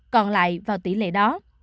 còn lại vào tỷ lệ đó